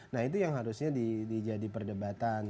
nah itu yang harusnya dijadi perdebatan